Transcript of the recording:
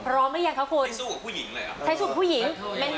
ใช้สู้กับผู้หญิง